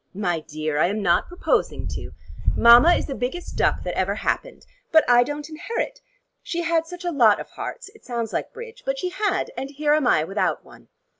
"My dear, I am not proposing to. Mama is the biggest duck that ever happened. But I don't inherit. She had such a lot of hearts it sounds like bridge but she had, and here am I without one.